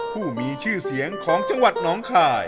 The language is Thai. ผู้มีชื่อเสียงของจังหวัดน้องคาย